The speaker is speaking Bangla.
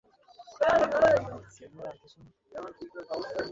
এখন বল, মনে আছে কিনা?